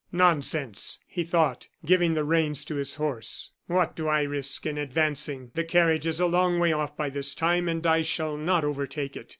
"Nonsense!" he thought, giving the reins to his horse, "what do I risk in advancing? The carriage is a long way off by this time, and I shall not overtake it."